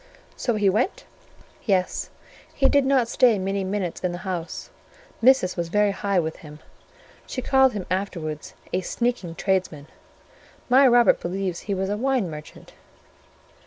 "So he went?" "Yes; he did not stay many minutes in the house: Missis was very high with him; she called him afterwards a 'sneaking tradesman.' My Robert believes he was a wine merchant."